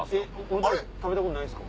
食べたことないんすか？